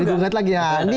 jadi gugat lagi